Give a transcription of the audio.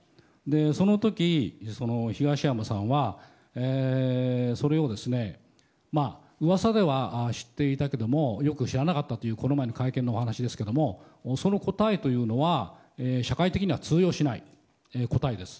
その時、東山さんはそれを噂では知っていたけれどもよく知らなかったというこの前の会見のお話ですけどもその答えというのは社会的には通用しない答えです。